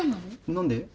何で？